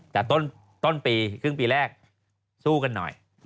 แต่ต้นปีครึ่งปีแรกสู้กันหน่อย